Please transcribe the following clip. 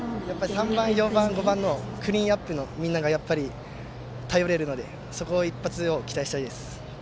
３番、４番、５番のクリーンナップのみんなが頼れるので、そこの一発に期待したいです。